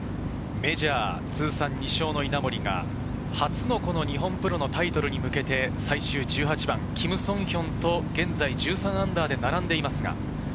メジャー通算２勝の稲森が、初の日本プロのタイトルに向けて最終１８番、キム・ソンヒョンと現在−１３で並んでいます。